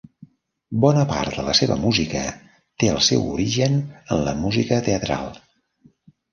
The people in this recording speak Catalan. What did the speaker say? Bona part de la seva música té el seu origen en la música teatral.